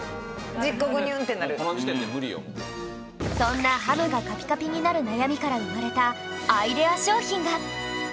そんなハムがカピカピになる悩みから生まれたアイデア商品が